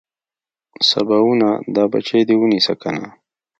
سباوونه دا بچي دې ونيسه کنه.